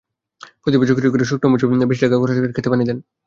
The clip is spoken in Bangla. প্রতিবছর কৃষকেরা শুকনো মৌসুমে বেশি টাকা খরচ করে খেতে পানি দেন।